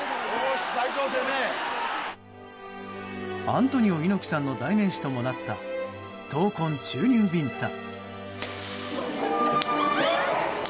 アントニオ猪木さんの代名詞ともなった闘魂注入ビンタ。